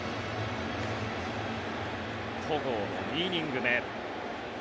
戸郷の２イニング目。